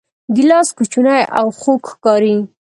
ګیلاس کوچنی او خوږ ښکاري.